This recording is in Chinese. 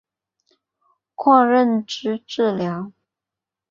括认知治疗。